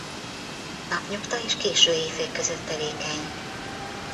Napnyugta és késő éjfél között tevékeny.